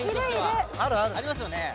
ありますよね。